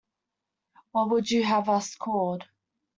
What would you have us called?